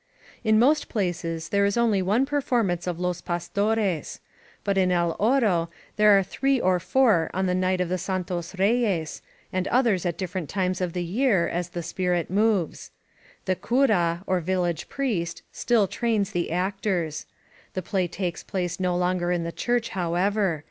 In most places there is only one performance of Los Pastores. But in El Oro there are three or four on the night of the Santos Reyes, and others at different times of the year, as the spirit moves. The ^ira^ or village priest, still trains the actors. The play takes place no longer in the church, however.